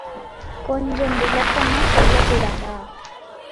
கொஞ்சம் விளக்கமா சொல்லக்கூடாதா?